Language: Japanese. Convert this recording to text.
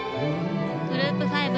グループ５